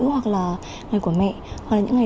hoặc là ngày của mẹ hoặc là những ngày